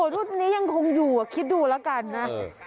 รูปนี้ยังคงอยู่คิดดูแล้วกันนะ